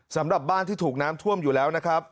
สำหรับบ้านที่ถูกน้ำท่วมอยู่แล้วนะครับ